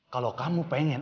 kalau kamu pengen